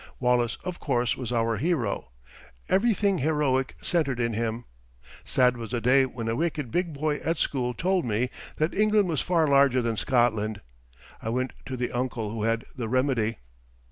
Wallace, of course, was our hero. Everything heroic centered in him. Sad was the day when a wicked big boy at school told me that England was far larger than Scotland. I went to the uncle, who had the remedy.